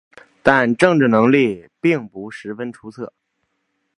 但政治能力并不十分出色。